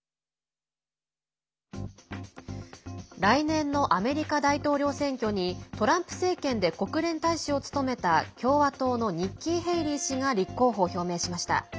来年のアメリカ大統領選挙にトランプ政権で国連大使を務めた共和党のニッキー・ヘイリー氏が立候補を表明しました。